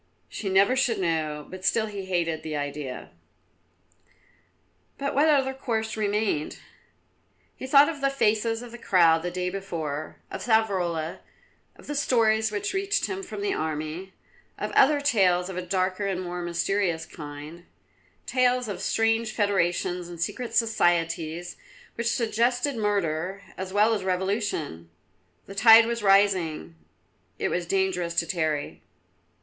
She never should know, but still he hated the idea. But what other course remained? He thought of the faces of the crowd the day before; of Savrola; of the stories which reached him from the army; of other tales of a darker and more mysterious kind, tales of strange federations and secret societies, which suggested murder, as well as revolution. The tide was rising; it was dangerous to tarry.